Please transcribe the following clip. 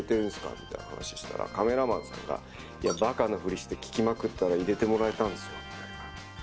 みたいな話をしたら、カメラマンの人が、いや、ばかなふりして聞きまくったら、入れてもらえたんですよって。